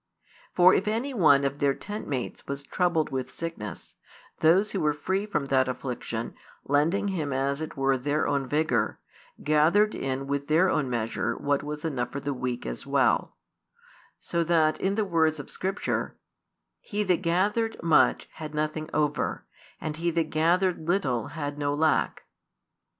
For if any one of their tent mates was troubled with sickness, those who were free from that affliction, lending him as it were their own vigour, gathered in with their own measure what was enough for the weak as well; so that, in the words of Scripture: He that gathered much had nothing over, and he that gathered little had no lack.